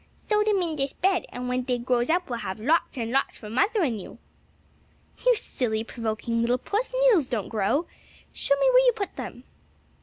"Sowed 'em in dis bed; and when dey drows up we'll have lots an' lots for mother an' you." "You silly, provoking little puss! needles don't grow. Show me where you put them."